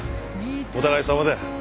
お互いさまだよ。